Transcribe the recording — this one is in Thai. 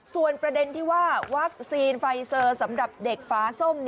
ส่วนประเด็นที่ว่าวัคซีนไฟเซอร์สำหรับเด็กฟ้าส้ม